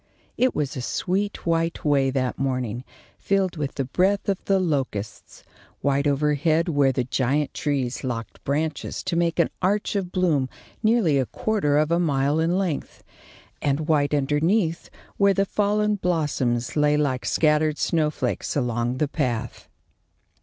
It was a sweet, white way that morning, filled with the breath of the locusts; white overhead where the giant trees locked branches to make an arch of bloom nearly a quarter of a mile in length, and white underneath where the fallen blossoms lay like scattered snowflakes along the path.